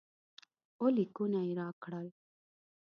اووه لیکونه یې راکړل.